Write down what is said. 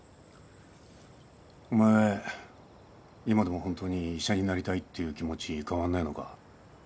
お前今でも本当に医者になりたいっていう気持ち変わんないのか？